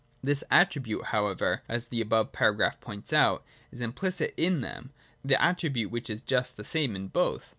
This attribute however, as the above paragraph points out, is implicit in them — the attribute which is just the same in both.